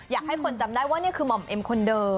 อยากให้คนจำได้ว่านี่คือหม่อมเอ็มคนเดิม